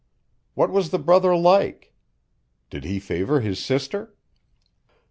What was the brother like? Did he favor his sister?